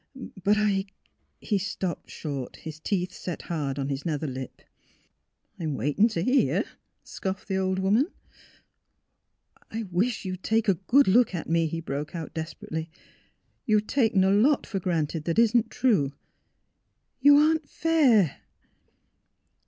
But I " 214 THE HEART OF PHILURA He stopped short, his teeth set hard on his nether lip. ''I'm waitin' t' hear," scoffed the old woman. "I wish you'd take a good look at me," he broke out desperately. " You've taken a lot for granted that isn't true. You aren't — fair!